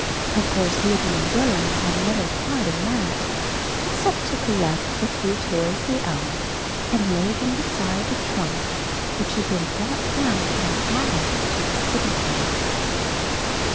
Of course Libby and Will'm had little part in that, except to collect the few toys they owned, and lay them beside the trunk which had been brought down from the attic to the sitting room.